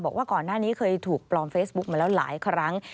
บอกว่าก่อนหน้านี้เคยถูกปลอมเฟซบุ๊กมาแล้วหลายครั้ง